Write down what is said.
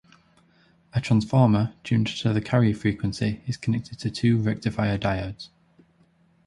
A transformer, tuned to the carrier frequency, is connected to two rectifier diodes.